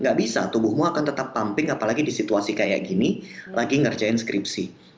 gak bisa tubuhmu akan tetap pumping apalagi di situasi kayak gini lagi ngerjain skripsi